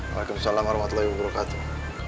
waalaikumsalam warahmatullahi wabarakatuh